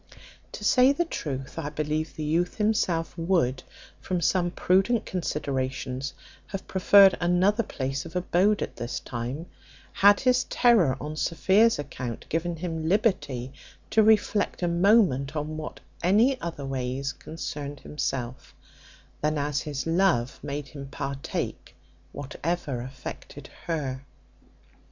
To say the truth, I believe the youth himself would, from some prudent considerations, have preferred another place of abode at this time, had his terror on Sophia's account given him liberty to reflect a moment on what any otherways concerned himself, than as his love made him partake whatever affected her.